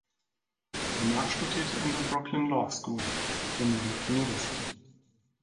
Danach studierte er an der Brooklyn Law School der New York University.